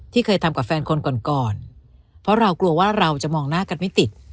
เคยทำกับแฟนคนก่อนก่อนเพราะเรากลัวว่าเราจะมองหน้ากันไม่ติด